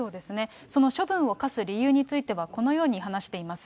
その処分を科す理由については、このように話しています。